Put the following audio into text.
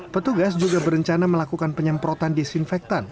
petugas juga berencana melakukan penyemprotan desinfektan